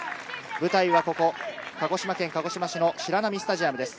舞台は鹿児島県鹿児島市の白波スタジアムです。